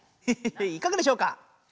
ヘヘヘいかがでしょうか？